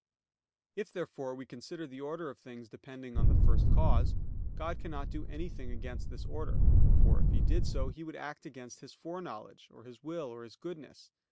If therefore we consider the order of things depending on the first cause, God cannot do anything against this order; for, if He did so, He would act against His foreknowledge, or His will, or His goodness.